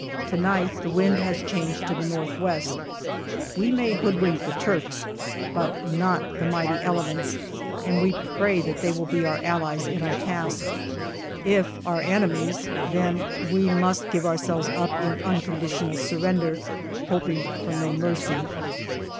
To night the wind has changed to the north west ; we may hoodwink the Turks, but not the mighty elements, and we pray that they will be our allies in our task. If our enemies, then we must give ourselves up in unconditional surrender, hoping for no mercy.